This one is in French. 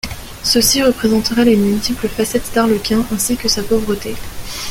Ceux-ci représenteraient les multiples facettes d'Arlequin, ainsi que sa pauvreté.